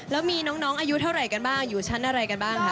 แล้วมีน้องอายุเท่าไหร่กันบ้างอยู่ชั้นอะไรกันบ้างคะ